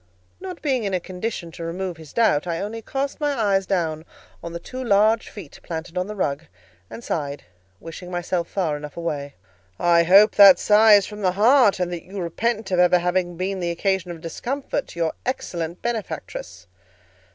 Not being in a condition to remove his doubt, I only cast my eyes down on the two large feet planted on the rug, and sighed, wishing myself far enough away. "I hope that sigh is from the heart, and that you repent of ever having been the occasion of discomfort to your excellent benefactress."